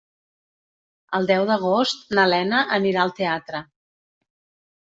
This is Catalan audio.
El deu d'agost na Lena anirà al teatre.